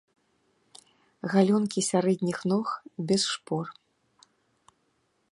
Галёнкі сярэдніх ног без шпор.